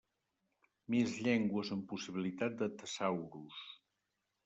Més llengües amb possibilitat de tesaurus.